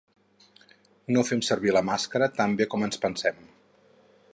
“No fem servir la màscara tan bé com ens pensem”